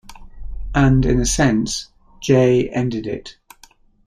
And in a sense, "J" ended it.